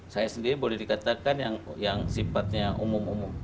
saya sendiri boleh dikatakan yang sifatnya umum umum